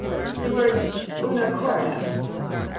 The words una corda (lit.